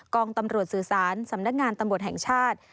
องตำรวจสื่อสารสำนักงานตำรวจแห่งชาติ